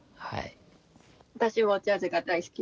私もジャズが大好きです。